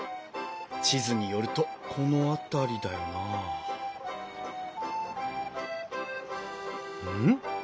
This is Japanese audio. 地図によるとこの辺りだよなうん？